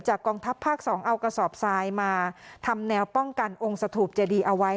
กองทัพภาค๒เอากระสอบทรายมาทำแนวป้องกันองค์สถูปเจดีเอาไว้